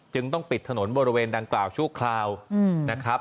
ต้องปิดถนนบริเวณดังกล่าวชั่วคราวนะครับ